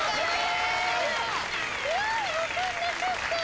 分かんなかった。